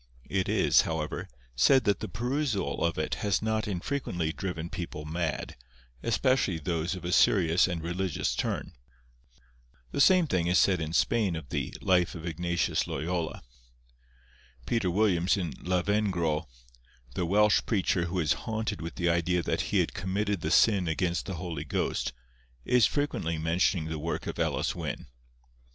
It is, however, said that the perusal of it has not unfrequently driven people mad, especially those of a serious and religious turn. The same thing is said in Spain of the 'Life of Ignatius Loyola.' Peter Williams, in 'Lavengro,' the Welsh preacher who was haunted with the idea that he had committed the sin against the Holy Ghost, is frequently mentioning the work of Elis Wyn.